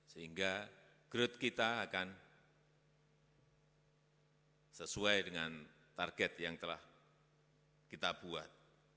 sehingga growth kita akan sesuai dengan target yang telah kita buat